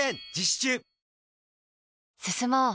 中進もう。